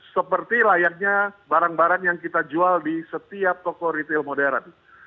seperti layaknya barang barang yang kita jual di setiap toko retail modern